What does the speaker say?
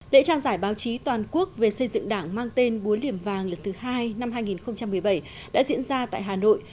lễ trao giải báo chí toàn quốc về xây dựng đảng mang tên búa liềm vàng lần thứ hai năm hai nghìn một mươi bảy đã diễn ra tại hà nội